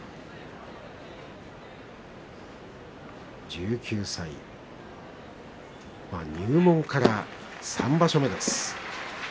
１９歳入門から３場所目です。